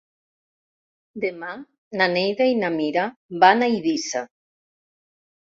Demà na Neida i na Mira van a Eivissa.